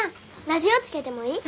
ラジオつけてもいい？